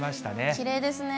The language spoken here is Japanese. きれいですね。